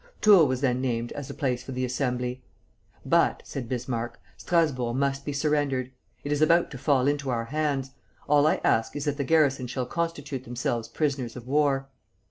Tours was then named as a place for the Assembly. 'But,' said Bismarck, 'Strasburg must be surrendered. It is about to fall into our hands. All I ask is that the garrison shall constitute themselves prisoners of war.'